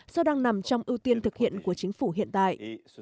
do đang nằm trong ưu tiên thực hiện của chính phủ hiện tại